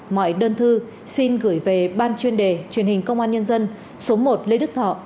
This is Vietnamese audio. mọi đơn thư xin gửi về ban chuyên đề truyền hình công an nhân dân số một trăm một mươi ba